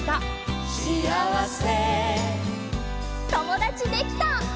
「友達できた」。